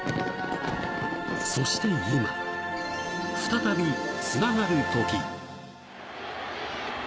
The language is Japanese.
そして今、再び、つながる時。